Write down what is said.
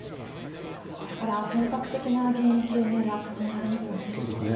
これから本格的な原因究明が進められますね。